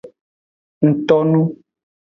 Ngtonu.